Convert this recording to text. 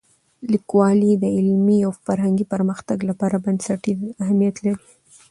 لیکوالی د علمي او فرهنګي پرمختګ لپاره بنسټیز اهمیت لري.